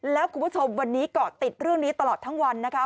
แล้วคุณผู้ชมวันนี้เกาะติดเรื่องนี้ตลอดทั้งวันนะคะ